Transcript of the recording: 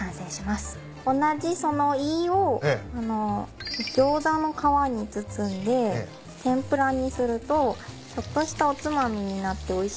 同じそのいいをギョーザの皮に包んで天ぷらにするとちょっとしたおつまみになっておいしいんです。